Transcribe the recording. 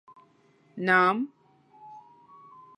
نام؟